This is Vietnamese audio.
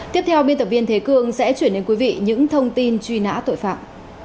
tiếp theo biên tập viên thế cương sẽ chuyển đến quý vị những thông tin truy nã tội phạm